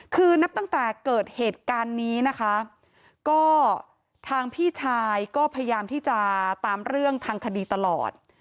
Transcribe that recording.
คือนับตั้งแต่เกิดเหตุการณ์นี้นะคะก็ทางพี่ชายก็พยายามที่จะตามเรื่องทางคดีตลอด